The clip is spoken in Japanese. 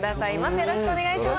よろしくお願いします。